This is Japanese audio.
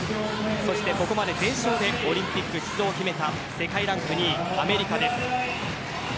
ここまで全勝でオリンピック出場を決めた世界ランク２位、アメリカです。